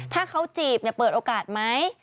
ถ้าเขาจีบเปิดโอกาสไหม